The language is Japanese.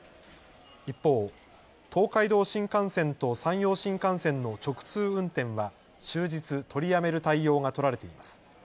一方、東海道新幹線と山陽新幹線の直通運転は終日取りやめる対応が取られています。